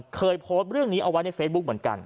เคยโพสต์เรื่องนี้เอาไว้ในเฟซบุ๊กเหมือนกัน